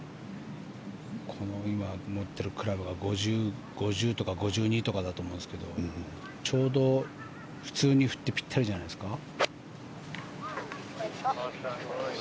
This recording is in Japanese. この持ってるクラブが５０とか５２とかだと思うんですけどちょうど普通に振ってピッタリじゃないですか。